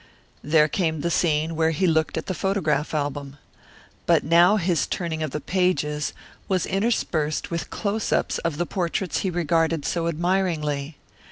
There came the scene where he looked at the photograph album. But now his turning of the pages was interspersed with close ups of the portraits he regarded so admiringly.